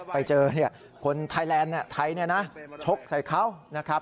ไปเจอคนไทยแรนไทยเนี่ยนะชกใส่เขา